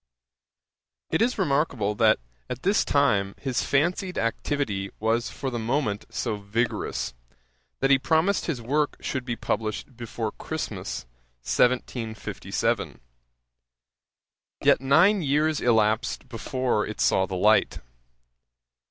It is remarkable, that at this time his fancied activity was for the moment so vigorous, that he promised his work should be published before Christmas, 1757. Yet nine years elapsed before it saw the light.